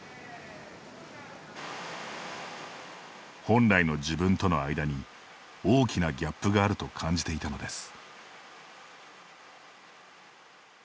本来の自分との間に大きなギャップがあると感じていたのです。